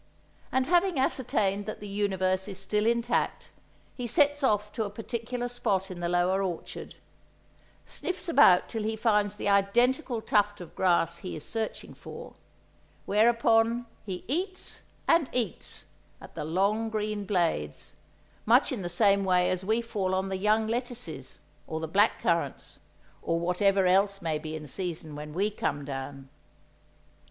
And having ascertained that the universe is still intact, he sets off to a particular spot in the lower orchard, sniffs about till he finds the identical tuft of grass he is searching for; whereupon he eats, and eats, at the long green blades, much in the same way as we fall on the young lettuces, or the black currants, or whatever else may be in season when we come down.